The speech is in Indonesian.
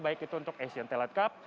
baik itu untuk asian talent cup